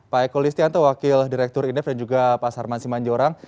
pak eko listianto wakil direktur indef dan juga pak sarman simanjorang